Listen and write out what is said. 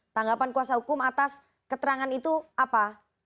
tanggapan kuasa hukum atas keterangan itu apa